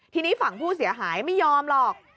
ทีนี้ฝั่งผู้เสียหายไม่ยอมหรอก